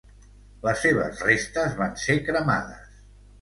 Les seves restes van ser cremades.